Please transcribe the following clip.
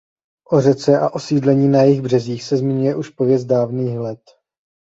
O řece a osídlení na jejích březích se zmiňuje už Pověst dávných let.